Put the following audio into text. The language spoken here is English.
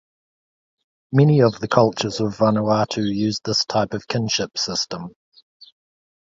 Many of the cultures of Vanuatu use this type of kinship system.